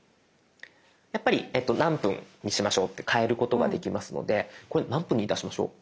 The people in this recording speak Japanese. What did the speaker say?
やっぱり何分にしましょうって変えることができますのでこれ何分にいたしましょう？